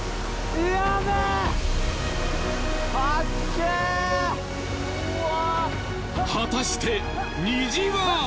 うわ果たして虹は？